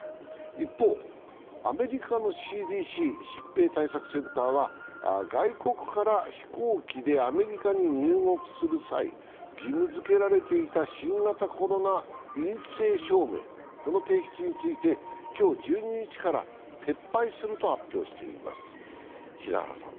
一方、アメリカのＣＤＣ＝疾病対策センターは、外国から飛行機でアメリカに入国する際義務づけられていた新型コロナ陰性証明の提出について今日１２日から撤廃すると発表しています。